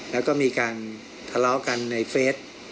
แล้วก็มีการทะเลาะกันในเฟส